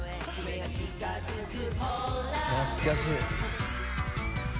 懐かしい。